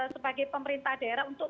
sebagai pemerintah daerah untuk